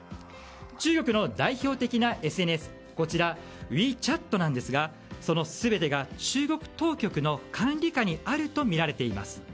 中国の代表的なＳＮＳＷｅＣｈａｔなんですがその全てが中国当局の管理下にあるとみられています。